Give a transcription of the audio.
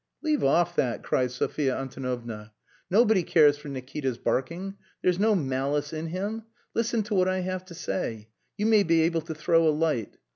"Leave off that!" cried Sophia Antonovna. "Nobody cares for Nikita's barking. There's no malice in him. Listen to what I have to say. You may be able to throw a light.